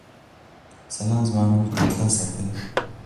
سلام زما نوم حکمت الله صافی